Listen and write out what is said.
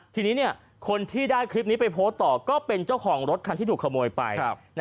ทีนี้คนที่ได้คลิปนี้ไปโพสต์ต่อก็เป็นเจ้าของรถคันที่ถูกขโมยไป